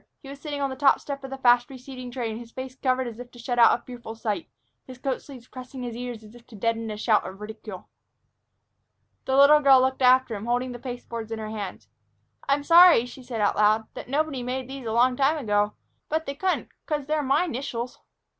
He was sitting on the top step of the fast receding train, his face covered as if to shut out a fearful sight, his coat sleeves pressing his ears as if to deaden a shout of ridicule. The little girl looked after him, holding the pasteboards in her hands. "I'm sorry," she said out loud, "that nobody made these a long time ago. But they couldn't, 'cause they're my 'nitials."